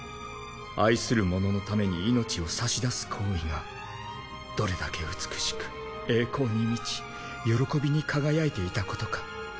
愛する者のために命を差し出す行為がどれだけ美しく栄光に満ち喜びに輝いていたことか。